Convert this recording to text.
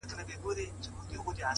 • د دوبي ټکنده غرمې د ژمي سوړ سهار مي،